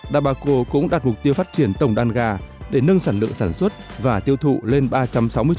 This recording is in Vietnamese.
dabaco cũng đặt mục tiêu phát triển tổng đan gà để nâng sản lượng sản xuất và tiêu thụ lên ba trăm sáu mươi triệu quả trứng một năm